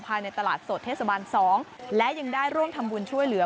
ภายในตลาดสดเทศบาล๒และยังได้ร่วมทำบุญช่วยเหลือ